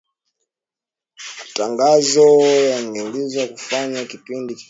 matangazo yaligeuzwa na kufanywa kipindi kilichotangazwa